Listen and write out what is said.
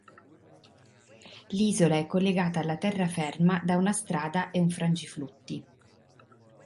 L'isola è collegata alla terraferma da una strada e un frangiflutti.